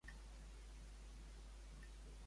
Qui va anar a veure Abdelbaki es-Satti en tres ocasions?